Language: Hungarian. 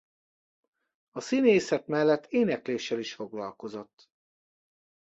A színészet mellett énekléssel is foglalkozott.